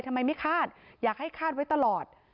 ทำไมไม่คาดอยากให้คาดไว้ตลอด